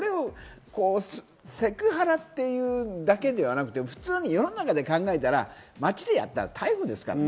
セクハラって言うだけではなくて普通に世の中で考えたら、街でやったら逮捕ですから。